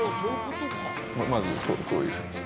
まずこういうやつ。